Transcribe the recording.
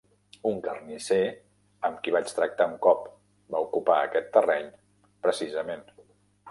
Un carnisser amb qui vaig tractar un cop va ocupar aquest terreny, precisament.